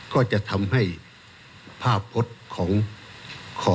ก็จะทำให้ภาพพฤตของขอสอชอตกต่ำลง